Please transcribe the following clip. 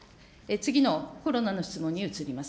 次のコロナの質問に移ります。